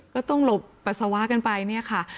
ก็ต้องหลบปัสสาวะกันไปเนี่ยค่ะ